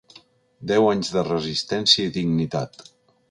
Deu anys de resistència i dignitat.